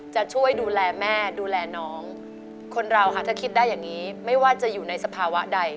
จะช่วยดูแลแม่ดูแลน้องคนเราค่ะถ้าคิดได้อย่างนี้ไม่ว่าจะอยู่ในสภาวะใด